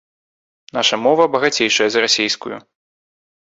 Наша мова багацейшая за расейскую.